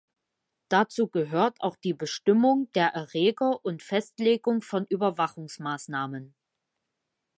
Dazu gehört auch die Bestimmung der Erreger und Festlegung von Überwachungsmaßnahmen.